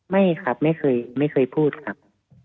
ไม่ครับไม่เคยพูดครับ